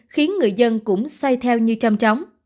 khiến người dân cũng xoay theo như trăm trống